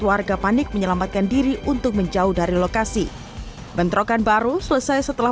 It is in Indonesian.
warga panik menyelamatkan diri untuk menjauh dari lokasi bentrokan baru selesai setelah